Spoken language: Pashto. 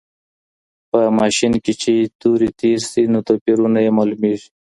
په ماشین کي چي توري تېر سي نو توپیرونه یې معلومیږي.